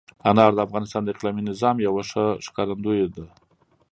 انار د افغانستان د اقلیمي نظام یوه ښه ښکارندوی ده.